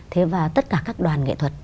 thế và tất cả các đoàn nghệ thuật